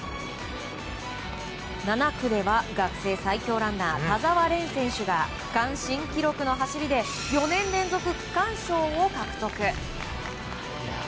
７区では学生最強ランナー田澤廉選手が区間新記録の走りで４年連続区間賞を獲得。